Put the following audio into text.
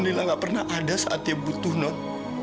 nonila gak pernah ada saat dia butuh non